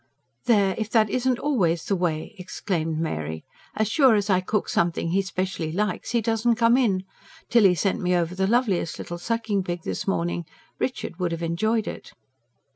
"There... if that isn't always the way!" exclaimed Mary. "As sure as I cook something he specially likes, he doesn't come in. Tilly sent me over the loveliest little sucking pig this morning. Richard would have enjoyed it."